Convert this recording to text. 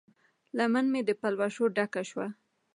لمن مې د پلوشو ډکه شوه